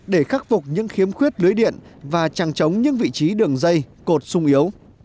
để khắc phục những khiếm khuyết lưới điện và trăng trống những vị trí đường dây cột sung yếu